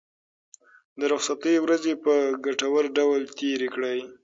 د رخصتۍ ورځې په ګټور ډول تېرې کړئ.